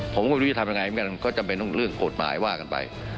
ผมก็ดูว่าทำอย่างไรกันก็จะเป็นเรื่องโกรธหมายว่ากันไป